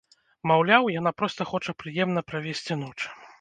Маўляў, яна проста хоча прыемна правесці ноч.